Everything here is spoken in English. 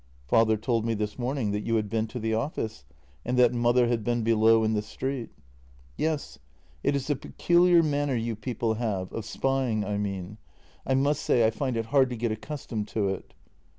" Father told me this morning that you had been to the office and that mother had been below in the street." " Yes. It is a peculiar manner you people have — of spy ing, I mean. I must say, I find it hard to get accustomed to it."